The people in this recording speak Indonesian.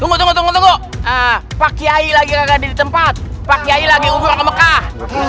tunggu tunggu tunggu tunggu pak kiai lagi gak ada di tempat pak kiai lagi ubuh ke mekah